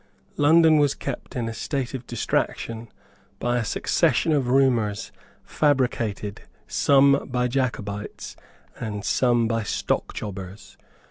London was kept in a state of distraction by a succession of rumours fabricated some by Jacobites and some by stockjobbers.